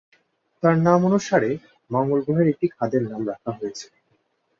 তার নামানুসারে মঙ্গল গ্রহের একটি খাদের নাম রাখা হয়েছে।